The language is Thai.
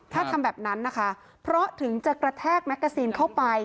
ถ้าทำแบบนั้นนะคะเพราะถึงจะกระแทกแมกกาซีนเข้าไป